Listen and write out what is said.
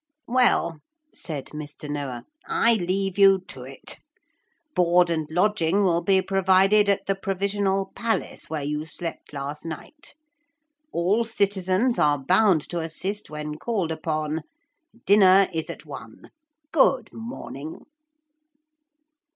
'Well,' said Mr. Noah, 'I leave you to it. Board and lodging will be provided at the Provisional Palace where you slept last night. All citizens are bound to assist when called upon. Dinner is at one. Good morning!'